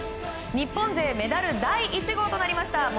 日本勢メダル第１号となりました。